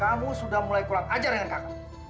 kamu sudah mulai kulat ajar dengan kakak